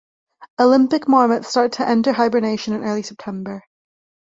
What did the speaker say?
Olympic marmots start to enter hibernation in early September.